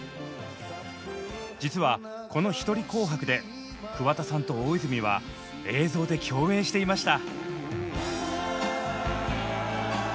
実はこの「ひとり紅白」で桑田さんと大泉は映像で共演していました。